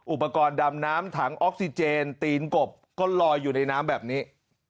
อุปกรณ์ดำน้ำถังออกซิเจนตีนกบก็ลอยอยู่ในน้ำแบบนี้